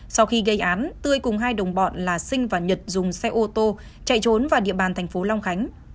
sau khi gây án tươi cùng hai đồng bọn là sinh và nhật dùng xe ô tô chạy trốn vào địa bàn thành phố long khánh